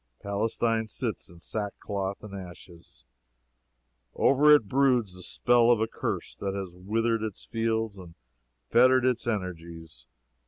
Palestine sits in sackcloth and ashes. Over it broods the spell of a curse that has withered its fields and fettered its energies.